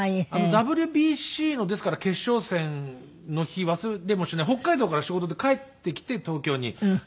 ＷＢＣのですから決勝戦の日忘れもしない北海道から仕事で帰ってきて東京に。